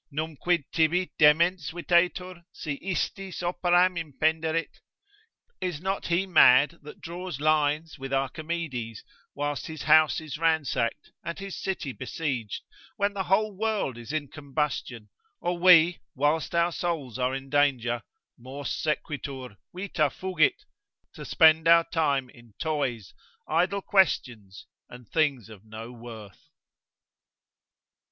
Numquid tibi demens videtur, si istis operam impenderit? Is not he mad that draws lines with Archimedes, whilst his house is ransacked, and his city besieged, when the whole world is in combustion, or we whilst our souls are in danger, (mors sequitur, vita fugit) to spend our time in toys, idle questions, and things of no worth?